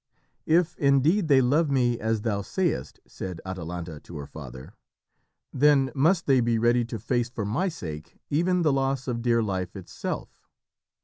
"If indeed they love me as thou sayest," said Atalanta to her father, "then must they be ready to face for my sake even the loss of dear life itself.